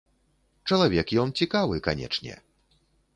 Чалавек ён цікавы, канечне.